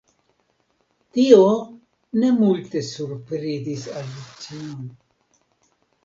Tio ne multe surprizis Alicion.